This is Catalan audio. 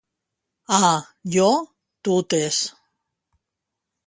A Llo, tutes.